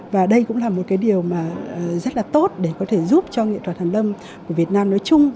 và đây cũng là một điều rất tốt để có thể giúp cho nghệ thuật hàn lâm của việt nam nói chung